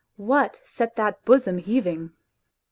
What set that bosom heaving ?